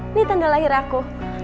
ini tanda lahir aku